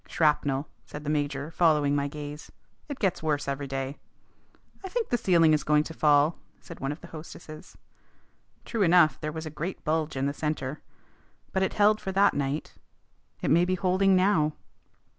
"Shrapnel," said the major, following my gaze. "It gets worse every day." "I think the ceiling is going to fall," said one of the hostesses. True enough, there was a great bulge in the centre. But it held for that night. It may be holding now.